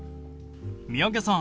三宅さん